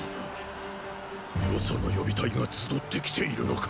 よその予備隊が集って来ているのか。